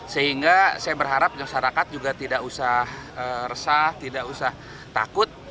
sehingga saya berharap masyarakat juga tidak usah resah tidak usah takut